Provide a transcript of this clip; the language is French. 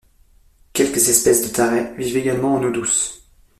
Quelques espèces de tarets vivent également en eau douce.